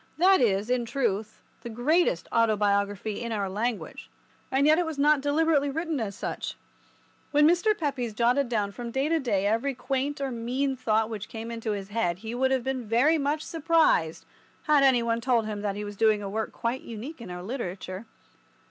That is, in truth, the greatest autobiography in our language, and yet it was not deliberately written as such. When Mr. Pepys jotted down from day to day every quaint or mean thought which came into his head he would have been very much surprised had any one told him that he was doing a work quite unique in our literature.